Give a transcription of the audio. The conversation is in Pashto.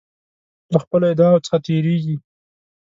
له خپلو ادعاوو څخه تیریږي.